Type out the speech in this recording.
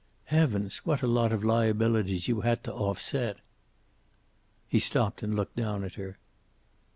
Heavens, what a lot of liabilities you had to off set!" He stopped and looked down at her.